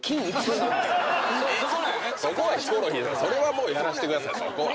そこはヒコロヒーさんそれはもうやらしてください。